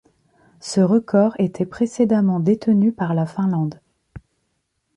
Ce record était précédemment détenu par la Finlande.